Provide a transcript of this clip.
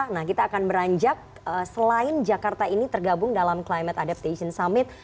nah kita akan beranjak selain jakarta ini tergabung dalam climate adaptation summit